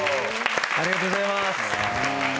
ありがとうございます。